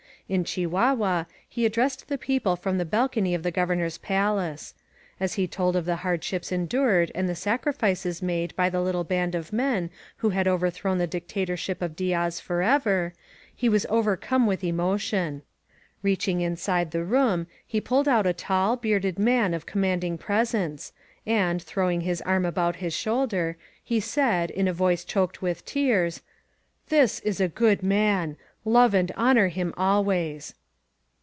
In Chihuahua he addressed the people from the bal cony of the Governor's palace. As he told of the hard ships endured and the sacrifices made by the little band of men who had overthrown the dictatorship of Diaz forever, he was overcome with emotion. Beaching in side the room he pulled out a tall, bearded man of com manding presence, and, throwing hii? arm about his shoulder, he said, in a voice choked with tears : ^^This is a good man ! Love and honor him always."